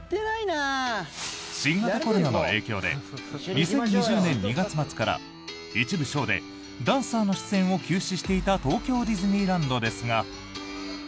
新型コロナの影響で２０２０年２月末から一部ショーでダンサーの出演を休止していた東京ディズニーランドですが。